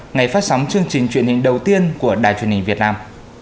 ngày phát sóng chương trình truyền hình đầu tiên của đài truyền hình việt nam